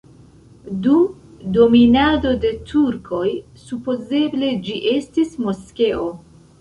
Dum dominado de turkoj supozeble ĝi estis moskeo.